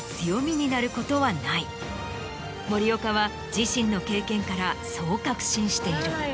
森岡は自身の経験からそう確信している。